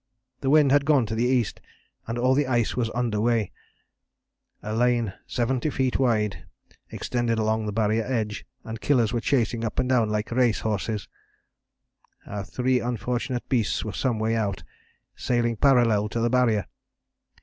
The wind had gone to the east, and all the ice was under weigh. A lane 70 feet wide extended along the Barrier edge, and Killers were chasing up and down it like racehorses. Our three unfortunate beasts were some way out, sailing parallel to the Barrier.